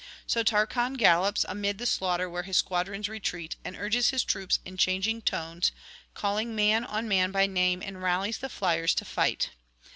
So Tarchon gallops amid the slaughter where his squadrons retreat, and urges his troops in changing tones, calling man on man by name, and rallies the fliers to fight.